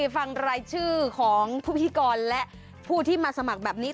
ฟังรายชื่อของผู้พิกรและผู้ที่มาสมัครแบบนี้